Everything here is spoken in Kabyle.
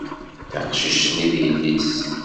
Taqcict-nni d yelli-s